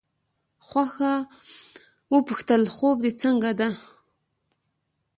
خوښه وپوښتل خوب دې څنګه دی.